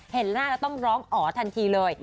เห็นหน้าแล้วต้องร้องอ๋อทันทีเลย